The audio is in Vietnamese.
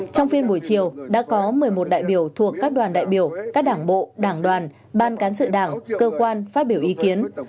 trong phiên buổi chiều đã có một mươi một đại biểu thuộc các đoàn đại biểu các đảng bộ đảng đoàn ban cán sự đảng cơ quan phát biểu ý kiến